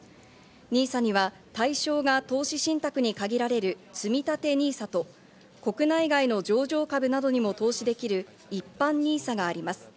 ＮＩＳＡには対象が投資信託に限られるつみたてＮＩＳＡと国内外の上場株などにも投資できる、一般ＮＩＳＡがあります。